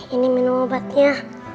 ini minum obatnya